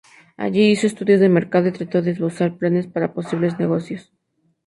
Allí, hizo estudios de mercado y trató de esbozar planes para posibles negocios.